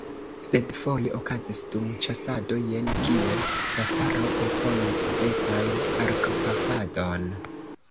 Sed foje okazis dum ĉasado jen kio: la caro proponis vetan arkpafadon.